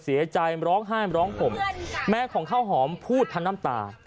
เสียใจมันร้องไห้มันร้องผมแม่ของข้าวหอมพูดทันน้ำตา